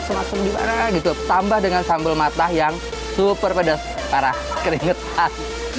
masuk masuk di mana gitu tambah dengan sambal matah yang super pedas parah keringetan